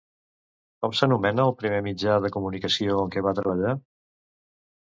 Com s'anomena el primer mitjà de comunicació en què va treballar?